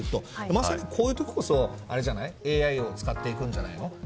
まさにこういうところこそＡＩを使っていくんじゃないの。